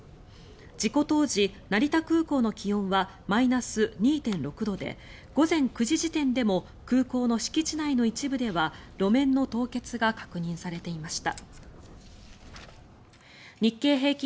事故当時、成田空港の気温はマイナス２．６度で午前９時時点でも空港の敷地内の一部では路面の凍結が確認されていました。